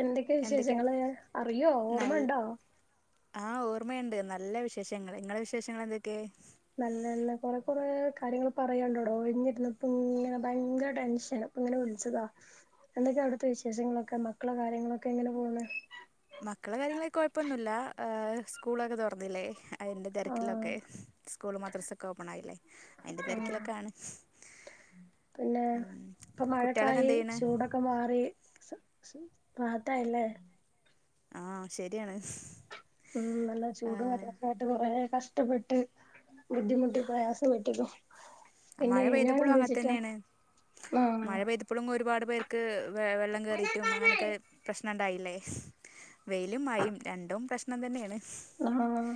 എന്തൊക്കെ വിശേഷങ്ങള് അറിയോ ഓർമ്മണ്ടോ ആഹ് ഓർമ്മയുണ്ട് നല്ല വിശേഷങ്ങള് നിങ്ങളെ വിശേഷങ്ങള് എന്തക്കെ നല്ലല്ല കൊറെ കൊറെ കാര്യങ്ങള് പറയാൻണ്ടടോ ഒഴിഞ്ഞിരുന്നപ്പങ്ങനെ ഭയങ്കര ടെൻഷനും ഇങ്ങനെ വിളിച്ചതാ എന്തൊക്കെ അവിടത്തെ വിശേഷങ്ങളൊക്കെ മക്കളെ കാര്യങ്ങളൊക്കെ എങ്ങനെ പോണ് മക്കളെ കാര്യങ്ങളൊന്നും കൊഴപ്പൊന്നുല്ല സ്കൂളൊക്കെ തൊറന്നില്ലേ അയ്ൻ്റെ ആഹ് തെരക്കിലൊക്കെ സ്കൂള് മദ്രസൊക്കെ ഓപ്പണായില്ലേ അയിന്റെ ആഹ് തെരക്കിലൊക്കെ ആണ് പിന്നെ ഉം. ഇപ്പൊ കുട്ടികളൊക്കെ മഴക്കായി എന്ത് ചെയ്യണ് ചൂടൊ ക്കെ മാറി റാഹത്തായി ഇല്ലേ ആഹ് ശരിയാണ് ഉം നല്ല ആ, ചൂട് വരയൊക്കായിട്ട് കൊറെ കഷ്ടപ്പെട്ട് ബുദ്ധിമുട്ട് പ്രയാസപ്പെട്ടല്ലോ പിന്നെ മഴ പെയ്തപ്പോഴും അങ്ങനെ ഞാനന്താച്ചിട്ടാ ആഹ് ഇപ്പളും ഒരുപാട് പേർക്ക് വെള്ളം കേറിട്ടും അങ്ങനെയൊക്കെ പ്രശ്നം ണ്ടായില്ലേ വെയിലും മഴയും രണ്ടും പ്രശ്നം തന്നെയാണ് ആഹ്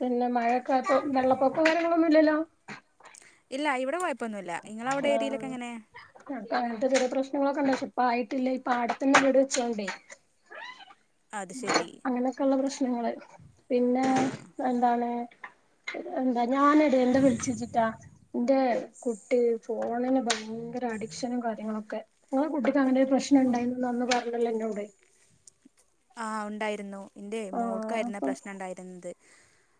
പിന്നെ മഴക്കത്ത് വെള്ളപ്പൊക്ക കാര്യങ്ങളൊന്നുല്ലല്ലോ ഇല്ല ഇവടെ കൊയപ്പൊന്നുല്ല ഇങ്ങള അവട ഏരിയല് എക്ക എങ്ങനെയെ അടുത്തത് ഇതേ പ്രശ്നങ്ങളൊക്കെ ഒണ്ടാക്കി ഇപ്പായിട്ടില്ല ഇപ്പ ആടെ തന്നാ വീട് വെച്ചോണ്ടേ അത് ശരി അങ്ങനൊക്കെള്ള പ്രശ്നങ്ങളായിരുന്നു പിന്നെ ആ എന്താണ് എന്താ ഞാനടെ എന്താ വിളിച്ചെച്ചിട്ടാ ന്റെ കുട്ടി ഫോണിന് ഭയങ്കര അഡിക്ഷനും കാര്യങ്ങളൊക്കെ ഇങ്ങളെ കുട്ടിക്ക് അങ്ങനൊരു പ്രശ്നം ഇണ്ടായിന്ന് അന്ന് പറഞ്ഞല്ലോ ഇന്നോട് ആഹ് ഒണ്ടായിരുന്നു ഇന്റെ ആഹ് മോൾക്കായിരുന്ന അപ്പൊ പ്രശ്നം ഉണ്ടായിരുന്നത്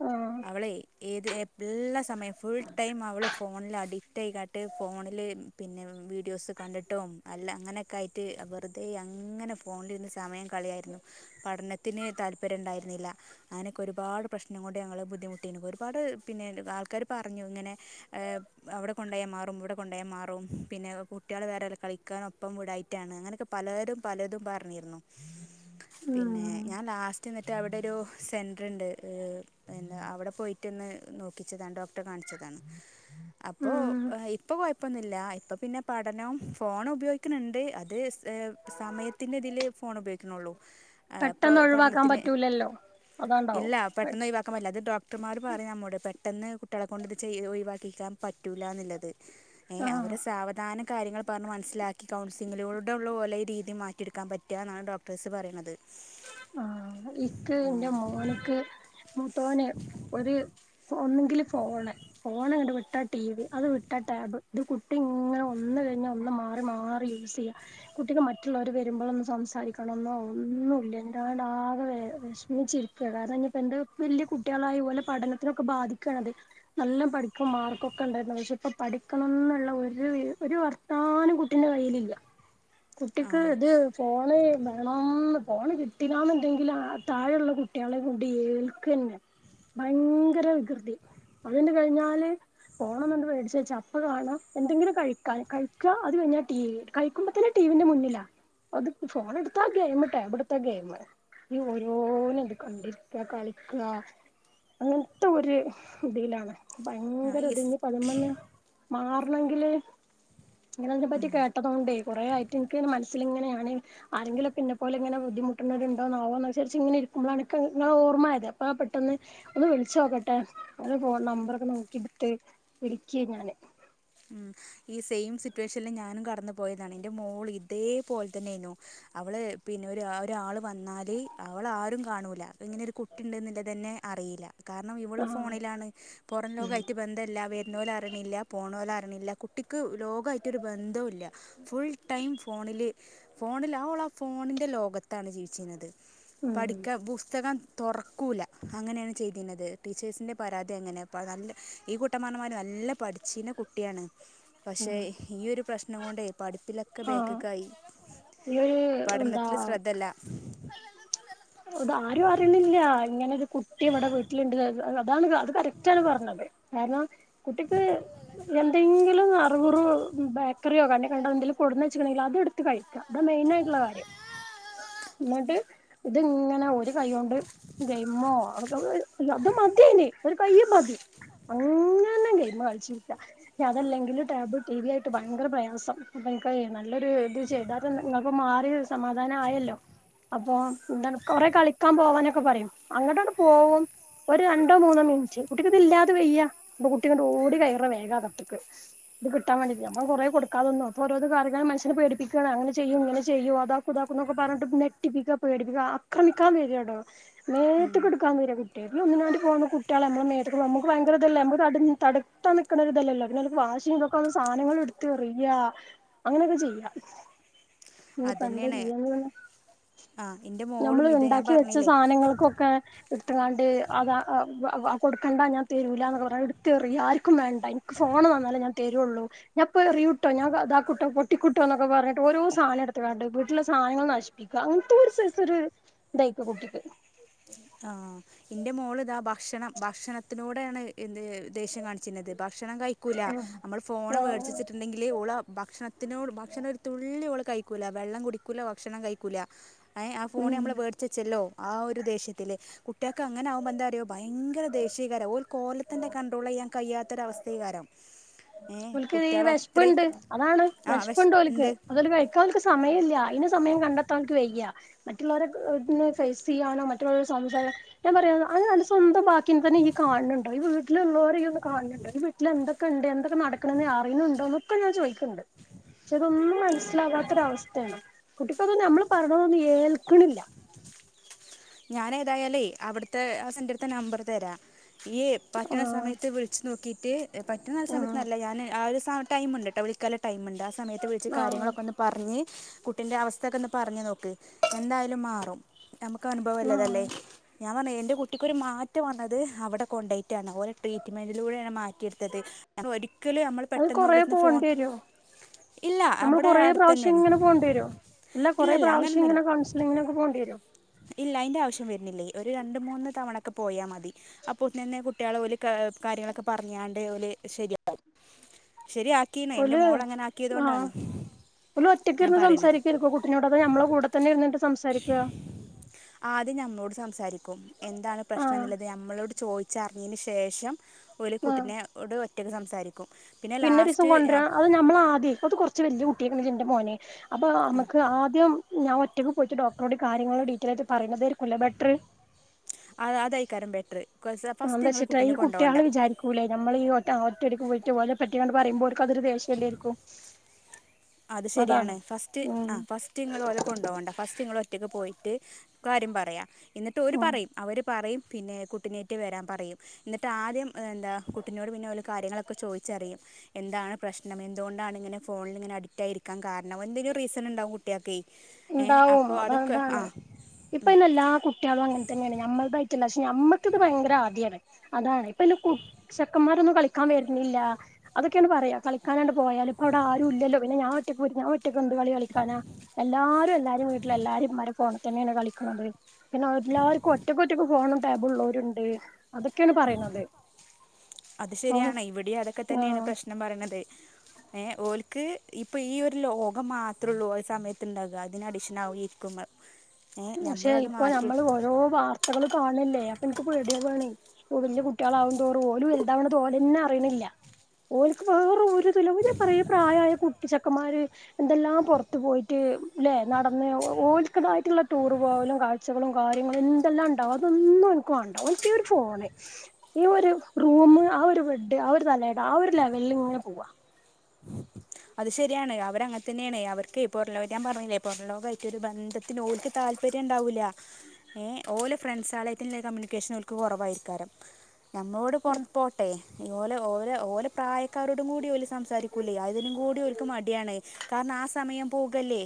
ആഹ് അവളെ ഏത് എ എല്ലാ സമയം ഫുൾ ടൈം അവള് ഫോണിൽ അഡിക്റ്റ ആയിക്കാട്ട് ഫോണിൽ പിന്നെ വീഡിയോസ് കണ്ടിട്ടും അല്ല അങ്ങനെയൊക്കെ ആയിട്ട് വെറുതെ അങ്ങനെ ഫോണിലിരുന്ന് സമയം കളയായിരുന്നു പഠനത്തിന് താല്പര്യംണ്ടായിരുന്നില്ല അങ്ങനൊക്കെ ഒരുപാട് പ്രശ്നങ്ങോണ്ട് ഞങ്ങള് ബുദ്ധിമുട്ടീന്നു ഒരുപാട് പിന്നെ ആൾക്കാര് പറഞ്ഞു ഇങ്ങനെ അ് അവടെ കൊണ്ടോയ മാറും ഇവിടെ കൊണ്ടോയ മാറും പിന്നെ കുട്ടികള് വേറെ വല്ല കളിക്കാനും ഒപ്പം വിടാ റ്റാണ് അങ്ങനെയൊക്കെ പലരും പലതും പറഞ്ഞിരുന്നു പിന്നെ ഉം ഞാൻ ലാസ്റ്റ് എന്നിട്ട് അവിടൊരു സെന്റ്റ്ണ്ട് അ് എന്താ അവിടെ പോയിട്ടന്ന് നോക്കിച്ചതാണ് ഡോക്ടറെ കാണിച്ചതാണ് അപ്പോ ഉം ഹ് ഇപ്പൊ കൊഴപ്പൊന്നുല്ല ഇപ്പൊ പിന്നെ പഠനവും ഫോണും ഉപയോ ക്ക്ണ് ണ്ട് അത് സമയത്തിന്റെതില് ഫോൺ ഉപയോഗിക്ക്ണൊള്ളു ആ അപ്പൊ പെട്ടെന്ന് ഒഴിവാക്കാൻ പഠനത്തിന് പറ്റൂലല്ലോ അതാണ്ടാവും ഇല്ല പെ ഒന്നും ഒഴിവാക്കാൻ പറ്റില്ല അത് ഡോക്ടർമാർ പറയും നമ്മോട് പെട്ടെന്ന് കുട്ടികളെ കൊണ്ട് ഇത് ചെയ ഒഴിവാക്കിക്കാൻ പറ്റൂല്ല എന്നുള്ളത് [inaudible] ഏഹ് അവര് സാവധാന കാര്യങ്ങൾ പറഞ്ഞ് മൻസ്സിലാക്കി കൗൺസിംങ്ങിലൂടെള്ളു ഓലെ ഈ രീതി മാറ്റിയെടുക്കാ പറ്റ്ന്നാണ് ഡോക്ടേഴ്സ് പറയ്ന്നത് ആഹ് ഇക്ക് ഇന്റ മോന്ക്ക് മുത്തോന് ഒര് ഒന്ന്ങ്കില് ഫോണ് ഫോണ അങ്ങട്ട് വിട്ട ടി വി അത് വിട്ട ടാബ് ഇത് കുട്ടി ഇങ്ങനെ ഒന്ന് കഴിഞ്ഞ ഒന്ന് മാറി മാറി യൂസയ്യാ കുട്ടിക്ക് മറ്റുള്ളവര് വെരുമ്പളൊന്ന് സംസാരിക്കണെന്നോ ഒന്നു എന്താണ് ആകെ വെ വെഷ്മിചിരിക്ക കാരണം ഇഞ്ഞിപോ എന്ത്‌ വല്യ കുട്ട്യാളായി ഓലെ പഠനത്തിനൊക്കെ ബാധി ക്കണത് നല്ലം പഠിക്ക മാർക്കൊക്കെ ണ്ടായിരുന്നു പക്ഷെ ഇപ്പ പഠിക്കണംന്ന്ള്ള ഒര് വി ഓര് വ ത്താനം കുട്ടിന്റെ കയ്യിലില്ല ആ കുട്ടിക്ക് ഇത് ഫോണ് വേണൊന്ന് ഫോണ് കിട്ടില്ലാന്ന് ണ്ടങ്കിൽ ആഹ് താഴെള്ള കുട്ട്യാളെ കൂടി ഏൽക്കന്നെ ഭയങ്കര വികൃതി അത്ണ്ട് കഴ്‌ഞ്ഞാല് ഫോണ് ങ്ങട്ട് മേടിച്ച് വെച്ച അപ്പ കാണാ എന്തെങ്കിലും കഴിക്കാൻ കഴിക്ക അത് കഴിഞ്ഞാ ടീ വി കയിക്കുമ്പോത്തന്നേ ടീവിന്റെ മുന്നിലാ അത് ഫോൺ എട്ത്താ ഗെയിം ടാബ് എ ട്ത്ത ഗെയിം ഈ ഓരോന്ന് ഇത് കണ്ടിരിക്ക കളിക്ക അങ്ങൻത്ത ഒര് ഇതീലാണ് ആ ഭയങ്കര ഈ സ് ഇത്ഞ്ഞ് പ്പ അഥിമ്മന്ന് മാറണങ്കില് ഇങ്ങന അതിന ഉം പറ്റി കേട്ടതൊണ്ടേ കൊറേ ആയ് ഇനിക്കന്നെ മനസ്സില്ങ്ങനെയണ് ആരെങ്കിലൊക്കെ ഇന്നേ പോലെങ്ങനെ ബുദ്ധിമുട്ട്ണൊര്ണ്ടോ ന്നാവോ വിജാരിച്ച് ഇങ്ങനെരിക്കുമ്പോളാണ് ഇക്ക് ഇങ്ങളെ ഓർമ്മ ആയത് അപ്പൊ ആഹ് പെട്ടെന്ന് ഒന്ന് വിളിച്ചോക്കട്ടെ അവന്റെ ഫോൺ നമ്പറൊക്കെ നോക്കി ഇടുത്ത് വിളിക്ക് ഞാന് ഉം ഈ സെയിം സിറ്റുവേഷനില് ഞാനും കടന്നു പോയതാണ് ഇന്റെ മോള് ഇതേപോലെ തന്നൊയിരുന്നു അവള് പിന്നെ ഒരു ഒരാള് വന്നാല് അവളാരും കാണൂല ഇങ്ങനൊരു കു ട്ടി ഇണ്ട്ന്ന് ള്ളതന്നെ അറിയില്ല കാരണം ഇവള് ആഹ് ഫോണിലാണ് പൊറം ലോകം ഉം ആയിട്ട് ബന്ധല്ല വര്ന്നോൽ അറിണില്ല പോ ഓലെ അർണില്ല കുട്ടിക്ക് ലോകായ്ട്ടൊര് ബദ്ധവുല്ല ഫുൾ ടൈം ഫോണില് ഫോണില ഓളാ ആ ഫോണിന്റെ ലോകത്താണ് ജീവിച്ചിരുന്നത് ഉം പഠിക്കാ പുസ്തക തൊർക്കൂല്ല അങ്ങനെണ് ചെയ്തിന്നത് ടീച്ചേഴ്സിൻ്റെ പരാതി എങ്ങനെപ്പ നല്ല ഈ കൂട്ടം പറഞ്ഞമാതിരി നല്ല പഠിച്ചീനകു കുട്ടിയാണ് ഉം പക്ഷേ ഈ ഒരു പ്രശ്നം കൊണ്ട് പഠിപ്പിലൊക്കെ ആഹ് ബേക്ക്ക്കായി ഈ ഒരു എന്താ പഠനത്തില് ശ്രദ്ധല്ല. ആരും അറിയുന്നില്ല ഇങ്ങനെ ഒരു കുട്ടി ഇവിടെ വീട്ടിലുണ്ട് അതാണ് ക അത് കറക്റ്റ് ആണ് പറഞ്ഞത് കാരണം കുട്ടിക്ക് എന്തെങ്കിലും. കുറുകുറൊ ബേക്കറിയോ കണ്ണ കണ്ട എന്തെങ്കിലും കൊടുന്ന് വെച്ചക്കണെങ്കിൽഅത് എടുത്ത് കഴി അത മെയിൻ ആയിട്ടുള്ള കാര്യം എന്നിട്ട് ഇത് ഇങ്ങനെ ഒരു കൈകൊണ്ട് ഗൈമോ അത് മതിഅയ്ൻ ഒരു കയ്യ് മതി അങ്ങന്നെ ഗെയിമ് കളിച്ചിരിക്ക അതല്ലെങ്കിൽ ടാബ് ടി വി ആയിട്ട് ഭയകര പ്രയാസം അപ്പം എനിക്ക് അത് നല്ലൊരു ഇത് ചെയ്താ ഇങ്ങൾക്ക് മാറി അത് സമാധാന ആയല്ലോ അപ്പൊ എന്ത കൊറെ കളിക്കാൻ പോവാനൊക്കെ പറയും അങ്ങോട്ടാണ്ട് പോവും ഒരു രണ്ടോ മൂന്നോ മിനിറ്റ് കുട്ടിക്ക് ഇത് ഇല്ലാതെ വെയ്യ ഇപ്പൊ കുട്ടി ഓടി കയറ വേഗ അകത്ത്ക്ക് ഇത് കിട്ടൻവെണ്ടിട്ട് അപ്പം കൊറേ കൊടുക്കാതെ നിന്നു അപ്പ ഓരോ കാര്യ മനുഷ്യനെ പേടിപ്പിക്കാണ് അ ചെയ്യും ഇങ്ങനെ ചെയ്യോ അതാക്കുതാക്കുന്നൊക്കെ പറഞ്ഞിട്ട് നെടിപ്പിക്ക പേടിപ്പിക്ക ആക്രമിക്കാൻ വരൊട്ടോ മേത്ത്ക്ക് ഇട്ക്കാവെര കു ട്ടി ഒന്നിനാണ്ടി പോന്ന കുട്ട്യേള് നമ്മളെ മെത്ത്ക്ക് ഭയങ്കരതല്ല ന തടുത്താ നിക്കുന്ന ഇതല്ല ല്ലൊ വാഷി ഇ സാധനങ്ങൾ എടുത്ത് എറിയ അങ്ങനെയൊക്കെ ചെയ്യാ ഇനിയിപ്പ എന്താ അതുതന്നെയാണ് ചെയ്യാന്ന് ആ എൻ്റെ നമ്മള് മോളും ഇത് ഞാൻ ഉണ്ടാക്കി വെച്ച പറഞ്ഞില്ലേ സാധനങ്ങൾക്കൊക്കെ ഇട്ത്ത്ക്കാണ്ട് അത് വ കൊട്ക്കണ്ട ഞാൻ തരൂല എന്ന പറഞ്ഞ എടുത്തറിയ ആർക്കും വേണ്ട ഇ ൻക്ക് ഫോണ് തന്നാലേ ഞാൻ തരൊള്ളൂ ഞാൻപ്പ എറിയുട്ടൊ ഞാ ഇതാ കുട്ടോ പൊട്ടിക്കുട്ടോ എന്നൊക്കെ പറഞ്ഞാട്ട് ഓരോ സാധനം എടുത്ത്കാണ്ട് വീട്ടിലെ സാധനങ്ങൾ നശിപ്പിക്കുക അങ്ങനത്തെ ഒരു ഒരു ഇതായിരിക്ക കുട്ടിക്ക് ആഹ് ഇന്റെ മോള് ഇതാ ഭക്ഷണം ഭക്ഷണത്തിനൂടെയാണ് എന്ത് ദേശ്യം കാണിച്ചി നിയത് ഭക്ഷണം കഴിക്കൂല ആഹ് നമ്മൾ ഫോണ് വേടി ആഹ് ണ്ടെങ്കില് ഓള ഭക്ഷണത്തിനോട് ഭക്ഷണ ഒരു തുള്ളി ഓള് കഴിക്കൂല വെള്ളം കുടിക്കൂല ഭക്ഷണം കഴിക്കൂല ഏ ആ ഫോൺ ഉം നമ്മൾ വേടിച്ച് വെച്ചല്ലോ ആ ഒരു ദേഷ്യത്തിൽ ത്തിൽ കുട്ടികൾക്ക് അങ്ങന ആകുമ്പോ എന്താ അറിയോ ഭയങ്കര ദേഷ്യയേക്കാരം ഓൽ ഓലതന്നെ കണ്ട്രോളയ്യാൻ കഴിയാത്തോ രവസ്ഥേകാരം ഓൽക്ക്ത് ഈ വെഷപ്പ്ണ്ട് അതാണ് ആഹ് വെഷപ്പ് വെശ് ണ്ട് ഓൽക്ക് ഉണ്ട് അതോൽ കഴിക്ക കാൻ ഓല്ക്ക് സമയല്ല്യ അയിന് സമയം കണ്ടെത്താൻ ഓല്ക് വയ്യ മറ്റുള്ളവരെ ഫേസ് ചെയ്യാനോ മറ്റുള്ളവരെ സംസാരി ഞാൻ പറയാ അങ്ങന സ്വന്തം ന്നെ ഇയ്യ് കാണ് ണ്ടോ ഈ വീട്ടിലുള്ളവരെ ഇയ്യ് ഒന്ന് കാണ് ണ്ടോ ഈ വീട്ടിൽ എന്തൊക്കെണ്ട് എന്തൊക്കെ നട് ക്കണേ അറിയുന്നുണ്ടോ ഒക്കെ ഞാൻ ചേയിക്ക്ണ്ട് ക്ഷേ തൊന്നും മനസ്സിലാകാത്തൊരവസ്ഥയാണ് കുട്ടിക്കതൊന്നും നമ്മള് പറയണതൊന്നും ഏൽക്ണില്ല ഞാനേതായാലേ അവിട്ത്തെ ആ സെന്റർത്തെ നമ്പർ തരാ ഇയ്യെ പറ്റണ ആഹ് സമയത്ത് വിളിച്ച് നോക്കിട്ട് പറ്റുന്ന ആഹ് സമയത്ത്ന്നല്ല ഞാൻ ആ ഒരു സ ടൈമിണ്ട്ട്ടോ വിളിക്കാള്ള ടൈം ണ്ട് ആ സമയത്ത് വിളിച്ച് ആഹ് കാര്യങ്ങളൊക്കൊന്ന് പറഞ്ഞ് കുട്ടിൻ്റെ അവസ്ഥയൊക്കെ ഒന്ന് പറഞ്ഞ് നോക്ക് എന്തായാലും മാറും ഇന്ക്കനുഭവല്ലതല്ലേ ആഹ് ഞാൻ പറഞ്ഞിലെ ൻ്റെ കുട്ടിക്കൊരു മാറ്റം വന്നത് അവിടെ കൊണ്ടോയ്റ്റാണ് ഓലെ ട്രീറ്റ്മെൻറ്റിലൂടെയാണ് മാറ്റിയെട്ത്തത് ഒരിക്കലും അമ്മള് അത് കൊറേ പോകേണ്ടി വരോ ഇല്ല നമ്മൾ അവിടെ കൊറേ അടുത്ത് പ്രാവശ്യം തന്നെയാണ് ഇങ്ങനെ പോകേണ്ടി വരോ ല്ല കുറെ ഇല്ലല്ല പ്രാവശ്യം ഇങ്ങനെ അങ്ങനൊന്നുമില്ല കൺസിലിങ്ങിനൊക്കെ പോകണ്ടി വരോ ഇല്ല അയിന്റെ ആവശ്യം വരുന്നില്ല ഒരു രണ്ട് മൂന്ന് തവണൊക്കെ പോയാ മതി അപ്പൊതിനന്നെ കുട്ട്യാളെ ഓൽ കാര്യങ്ങളൊക്കെ പറഞ്ഞാണ്ട് ഓൽ ശരിയാ ശരിയാ ഓൽ ആഹ് ഓൽ ഒറ്റക്ക് ഞാൻ ഇരുന്ന് പറയണത് സംസാരിക്കരിക്കോ കു ന്നോട അത് ഞമ്മളെ കൂടെ തന്നെ ഇര്ന്നിട്ട് സംസാരിക്ക ആദ്യം ഞമ്മളോട് സംസാരിക്കും എന്താണ് പ്രശ്നം ആഹ് ന്ന്ള്ളത് ഞമ്മളോട് ചോയ്ച്ചറിഞ്ഞീന് ശേഷം ഓല് ആഹ് കുട്ടിനെ ഓട് ഒറ്റക്ക് സംസാരിക്കും പിന്നെ പിന്നെ ഒരീസം ലാസ്റ്റ് കൊണ്ടരാ അത് നമ്മള് ആദ്യയ് അത് കുറ ച്ച് വല്യ കുട്ടി ആയിക്കണ് ന്റെ മോനെ അപ്പോ മ്മക്ക് ആദ്യം ഞാൻ ഒറ്റക്ക് പോയിട്ട് ഡോക്ടറോട് കാര്യങ്ങൾ ഡീറ്റയിൽ ആയിട്ട് പറയുന്നതായിരിക്കുലെ ബെറ്റർ അത് അതായിക്കാരം ബെറ്ററ് കുറച്ച് ഫസ്റ്റ് ങ്ങൾ കുട്ടീനെ കൊണ്ടോവണ്ട ലേ നമ്മള് ഈ ഒറ്റ ഒറ്റടിക്ക് പോയിട്ട് ഓലെ പറ്റിയങ്ങ് പറയുമ്പോ ഓൽക്കതൊരു ദേഷ്യല്ലേര്ക്കും അത് ശരിയാണ് ഫസ്റ്റ് ആഹ് ഫസ്റ്റ് ഇങ്ങൾ ഓലെ കൊണ്ടോവണ്ട ഫസ്റ്റ് ഇങ്ങൾ ഒ റ്റക്ക് പോയിട്ട് കാര്യം പറയാ എന്നിട്ട് ഓല്‌ ഉം പറയും അവര് പറയും പിന്നെ കുട്ടിനേറ്റ് വരാൻ പറയും എന്നിട്ട് ആദ്യം എന്താ കുട്ടിനോട് പിന്നെ ഓല് കാര്യങ്ങളൊക്കെ ചോദിച്ചറിയും എന്താണ് പ്രശ്നം എന്തുകൊണ്ടാണ് ഇങ്ങനെ ഫോണിൽ ഇങ്ങനെ അഡിക്റ്റ് ആയിരി ക്കാൻ കാരണം എന്തെലും റീസണ് ണ്ടാവും കുട്ട്യാക്കെയ് ഏഹ് അപ്പോ അതൊക്കെ ആഹ് ഇപ്പോ അയ്ന് എല്ലാ കുട്ടികളും അങ്ങനെ തന്നെയാണ് ഞമ്മളതായിട്ടല്ല പക്ഷെ ഞമ്മക്കത് ഭയങ്കര ആദിയാണ് അതാണ് ഇപ്പോ അയിന് കു ചെക്കൻമാരൊന്നും കളിക്കാൻ വര്ന്നില്ല അതൊക്കെയാണ് പറയാ ക്കാനാണ്ട് പോയാല് ഇപ്പോ ആരും ഇല്ലല്ലോ പിന്നെ ഞാൻ ഒറ്റക്ക് പോയിട്ട് ഞാൻ ഒറ്റ റ്റക്കെന്ത് കളി കളിക്കാന എല്ലാരും എല്ലാരിം വീട്ടിലെ എല്ലാരീം ഉമ്മാരെ ഫോണിൽ തന്നെയാണ് കളിക്കണത് പിന്നെല്ലാവർക്കും ഒറ്റക്ക് ഒറ്റക്ക് ഫോണും ടേബും ഉള്ളോരുണ്ട് അതൊക്കെയാണ് പറയണത് അത് ആഹ് ശരിയാണ് ഇവിടെയും അതൊക്കെ തന്നെയാണ് ആഹ് പ്രശ്നം പറയണത് ഏഹ് ഓൽക്ക് ഇപ്പ ഈ ഒരു ലോകം മാത്രള്ളൂ ഓലെ സമയത്തുണ്ടാവുക അതിന് അഡിഷൻ ആവും ഈ ഇരിക്കുമ്പോ പക്ഷെ ഇപ്പോ നമ്മൾ ഓരോ വാർത്തകള് കാണല്ലെ അപ്പോ ന്ക്ക് പേടിയാവാണെയ് വല്യ കുട്ടികളാവും തോറും ഓല് വലുതാവ്ണത് ഓലന്നെ അറിയണില്ല ഓൽക്ക് വേറെ ഒരു ഇതുല്ല ഓല് ഒരെ പ്രായായ കു ചെക്കന്മാര് എന്തെല്ലാം പുറത്ത് പോയിട്ട് ല്ലെ നടന്ന് ഓൽക്കതായിട്ടുള്ള ടൂർ പോവലും കാഴ്ചകളും കാര്യങ്ങളും എന്തെല്ലാംണ്ടാവും അതൊന്നും ഓന്ക്ക് വാണ്ട ഓന്ക്ക് ഈ ഒരു ഫോണ് ഈ ഒരു റൂം ആ ഒരു ബെഡ് ആ ഒരു തലയണ ആ ഒരു ലെവലിൽ ഇങ്ങനെ പോവ അത് ശരിയാണ് അവർ അങ്ങനെ തന്നെയാണ് അവർക്കെയ് പുറം ലോകായിട്ട് ഞാൻ പറഞ്ഞില്ലെ പൊറം ലോകായിട്ട് ഒരു ബന്ധ ത്തിന് ഓല്ക്ക് താല്പര്യം ഉണ്ടാവൂല ഏഹ് ഓലെ ഫ്രണ്ട്സളായിറ്റെന്നെള്ള കമ്മ്യൂണിക്കേഷൻ ഓൽക്ക് കുറവായിരിക്കാരം ഞമ്മളോട് ഉം പുറത്ത് പോട്ടെ ഓലെ ഓലെ ഓലെ പ്രായക്കാരോടും കൂടി ഓല് സംസാരിക്കൂലെയ് അത് അതിനും കൂടി ഓൽക്ക് മടിയാണ് കാരണം ആ സമയം പോകല്ലെ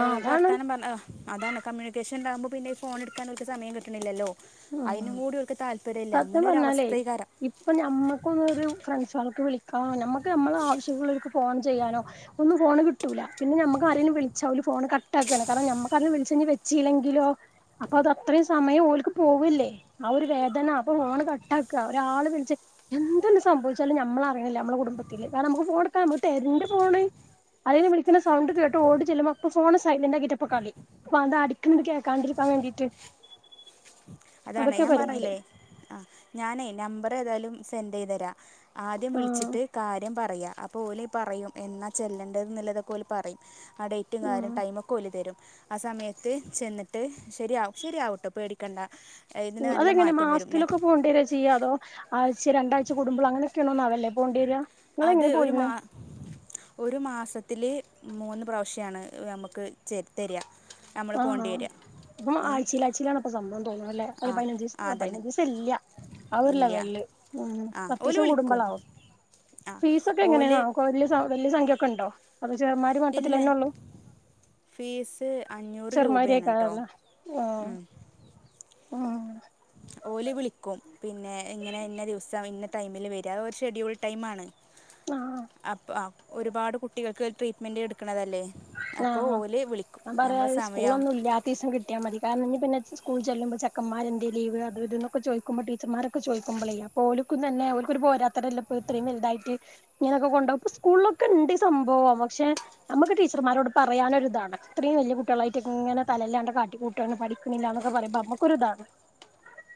ആഹ് അതാണ് വർത്താനം പറ അതാണ് കമ്മൂണിക്കേഷൻ ഇണ്ടാവുമ്പോ പിന്നെ ഈ ഫോൺ എടുക്കാൻ ഓൽക്ക് സമയം സമയം കിട്ട്ണില്ലല്ലോ ഉം അയിനും കൂടി ഓൽക്ക് താല്പര്യം ഇല്ല അങ്ങനെ ഒരു അവസ്ഥയിക്കാരം ഇപ്പോ ഞമ്മക്കൊന്നും ഒരു ഫ്രണ്ട്സാൾക്ക് വിളിക്കാ നമ്മക്ക് നമ്മളെ ആവശ്യള്ളോർക്ക് ഫോൺ ചെയ്യാനോ ഒന്നും ഫോണ് കിട്ടൂല പിന്നെ ഞമ്മക്ക് ആരേലും ഫോണ് വിളിച്ചാ ഓല് ഫോണ് കട്ട് ആക്കാണ് കാരണം ഞമ്മക്ക് ആരേലും വിളിച്ച് കഴിഞ്ഞാ വെച്ചീലെങ്കിലോ അപ്പോ അത് അത്രയും സമയം ഓൽക്ക് പോവല്ലെ ആ ഒരു വേദന അപ്പോ ഫോണ് കട്ടാക്ക ഒരാള് വിളിച്ച എന്തങ്ങ്ട്ട് സംഭവിച്ചാലും ഞമ്മള് അറിയിണില്ല ഞമ്മളെ കുടുംബത്തില് കാരണം നമ്മക്ക് ഫോണ് എടുക്കാൻ നമ്മക്ക് തരണ്ടെ ഫോണ് ആരെങ്കിലും വിളിക്ക്ണ സൗണ്ട് കേട്ട് ഓടി ചെല്ലുമ്പോ ഇപ്പോ ഫോണ് സൈലന്റ് ആക്കിയിട്ടാ ഇപ്പൊ കളി അപ്പൊ അത്‌ അടിക്ക്ണത് കേക്കാണ്ടിരിക്കാൻ വേണ്ടീട്ട് അതാണ് അതൊക്കെ ഞാൻ പരിപാടി പറഞ്ഞില്ലെ ആ ഞാനേയ് നമ്പർ ഏതായാലും സെന്റ് ചെയ്തെരാം ആദ്യം ആഹ് വിളിച്ചിട്ട് കാര്യം പറയാ അപ്പോ ഓല് പറയും എന്നാ ചെല്ലെണ്ടത് എന്നുള്ളത് ഓല്‌ പറയും ആ ഡേയ്റ്റും ഉം കാര്യം ടൈമൊക്കെ ഓല് തരും ആ സമയത്ത് ചെന്നിട്ട് ശരിയാവും ശരിയാവുട്ടോ പേടിക്കണ്ട ഇതിന് നല്ല മാറ്റം വരും ഞാൻ പോണ്ടീരാ ചെയ്യാ അതോ ആഴ്ച്ച രണ്ടാഴ്ച കൂടുമ്പോ അങ്ങനെയൊക്കെയാണോന്നാവല്ലേ പോവേണ്ടി വര അത് ഒരു മാ ഒരു മാസത്തില് മൂന്ന് പ്രാവശ്യാണ് നമ്മക്ക് ചേ തെരാ നമ്മൾ ആഹ് പോണ്ടി വെരാ അപ്പം ആഴ്ചയിൽ ആഴ്ചയിലാണ് അപ്പം സംഭവം തോന്ന്ണ് അല്ലേ അല്ല ആ പതിനഞ്ച് ആ ദീസം അതന്നെ പതിനഞ്ച് ദീസം ഇല്ല ആഹ് ഒര് ഇല്ല ലെവൽല് ഉം ആ ഓല് പത്തീസം വിളിക്കും കൂടുംബളാവും ആ ഫീസൊക്കെ ഓല് എങ്ങനെന്നാവോ വെല്ല്യ സംഖ്യ ഒക്കെ ഇണ്ടോ അതോ ചെറുമാരി ഇല്ല മട്ടത്തിലെന്നെള്ളൂ ഫീസ് അഞ്ഞൂറ് രൂപേണ് ട്ടോ ചെറുമാരിയേക്കാരല്ലേ ഉം ആഹ് ഓല് വിളിക്കും പിന്നെ ഇങ്ങനെ ഇന്ന ദിവസം ഇന്ന ടൈമില് വെരാ അത്‌ ഒരു ഷെഡ്യൂൾ ടൈമാണ് ആഹ് അപ്പൊ ആഹ് ഒരുപാട് കുട്ടികൾക്ക് ട്രീറ്റ്മെന്റ് ഇട്ക്ക്ണതല്ലേ അപ്പൊ ആഹ് ഓല് വിളിക്കും ഞമ്മളെ സമയാ ത്തീസം കിട്ട്യാമതി കാരണം ഇഞ്ഞി പിന്നെ ഇച്ച് സ്കൂള്ചെല്ലുമ്പോ ചെക്കമ്മാര് എന്തെയ് ലീവ് അത് ഇത് ന്നൊക്കെ ചോയ്ക്കുമ്പോ ടീച്ചർമാരൊക്കെ ചോയ്ക്കുമ്പോളെയ് അപ്പൊ ഓല് ക്കും തന്നെ ഓല്ക്കൊര് പോരാത്തരല്ലെ ഇപ്പൊ ഇത്രീം വെൽതായിട്ട് ഇങ്ങനൊക്കെ കൊണ്ടോവ ഇപ്പൊ സ്കൂൾലൊക്കെണ്ട് ഈ സംഭവം പക്ഷെ നമ്മക്ക് ടീ ടീച്ചർമ്മാരോട് പറയാനൊര് ഇതാണ് ഇത്രീം വെല്ല്യ കുട്ട്യേളായിട്ട് ഇങ്ങന തല ഇല്ലാണ്ടെ കാട്ടിക്കൂട്ടാണ് പഠിക്ക്ണില്ലാന്നൊക്കെ പറയുമ്പോ നമ്മക്കൊര് ഇതാണ്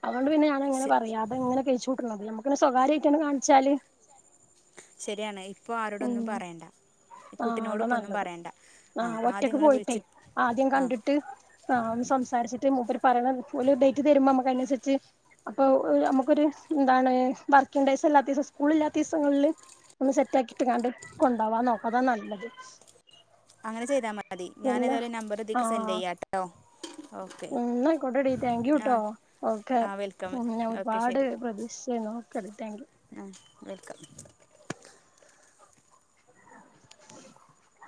അതോണ്ട് പിന്നെ ഞാനങ്ങനെ പറയാതെ ഇങ്ങനെ കയ്ച്ചൂട്ട്ണത് ഞമ്മക്ക് പിന്നെ സ്വകാര്യായിട്ടണ്ട് കാണിച്ചാല് ശരിയാണ് ഇപ്പൊ ഉം ആരോടൊന്നും പറയണ്ട ഈ ആഹ് കുട്ടിനോടും അതാ ഇപ്പൊന്നും നല്ലത് പറയണ്ട ആഹ് ഒറ്റക്ക് ആദ്യങ്ങള് പോയിട്ടേ വിളിച്ച് ആദ്യം ആഹ് കണ്ടിട്ട് ആഹ് ഒന്ന് സംസാരിച്ച്ട്ട് മൂപ്പര് പറയ്ണത് ഓല് ഡേയ്റ്റ് തെര്മ്പോ നമ്മക്ക് അയ്നൻസരിച്ച് അപ്പൊ നമ്മക്കൊര് എന്താണ് വർക്കിംഗ് ഡേയ്സ് അല്ലാത്തീസം സ്കൂളില്ലാത്തീസങ്ങൾല് ഒന്ന് സെറ്റാക്കി ഇട്ട്ങ്ങാണ്ട് കൊണ്ടാവാൻ നോക്കാ അതാ നല്ലത് അങ്ങനെ ചെയ്താ മതി പിന്നെ ഞാനേതായാലും നമ്പറ് ഇതീക്ക് സെന്റെയ്യാട്ടോ ഉം ന്നായ്ക്കോട്ടേടീ താങ്ക് യു ട്ടോ ഓക്കെ ആ വെൽക്കം ഉം ഞാ ഓക്കെ ഒരുപാട് പ്രതീക്ഷിച്ചേന്നു ഒക്കെ ടീ താങ്ക് യൂ ആഹ് വെൽക്കം [inaudible]